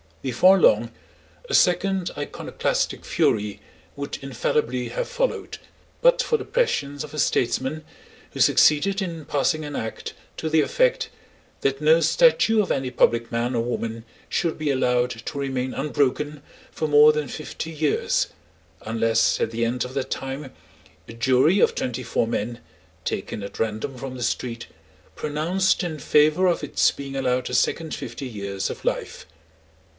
Before long a second iconoclastic fury would infallibly have followed, but for the prescience of a statesman who succeeded in passing an Act to the effect that no statue of any public man or woman should be allowed to remain unbroken for more than fifty years, unless at the end of that time a jury of twenty four men taken at random from the street pronounced in favour of its being allowed a second fifty years of life.